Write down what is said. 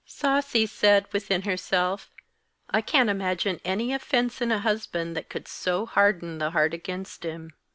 Sasi said within herself: 'I can't imagine any offence in a husband that could so harden the heart against him.'